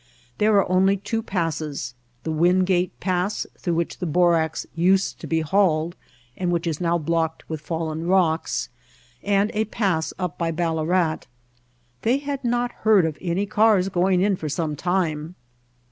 There are only two passes, the Wingate Pass through which the borax used to be hauled and which is now blocked with fallen rocks, and a pass up by Ballarat. They had not heard of any cars going in for some time.